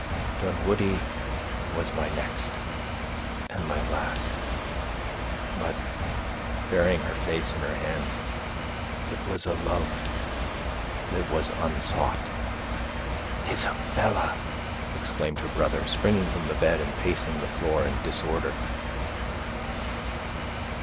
Dunwoodie was my next and my last. But," burying her face in her hands, "it was a love that was unsought." "Isabella!" exclaimed her brother, springing from the bed, and pacing the floor in disorder.